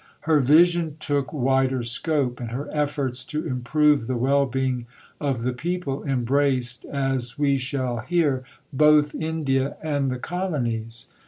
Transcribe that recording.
Her vision took wider scope, and her efforts to improve the well being of the people embraced, as we shall hear, both India and the Colonies.